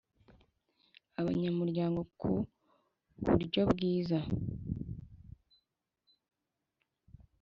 abanyamuryango ku buryobwiza